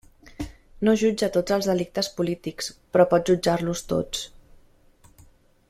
No jutja tots els delictes polítics, però pot jutjar-los tots.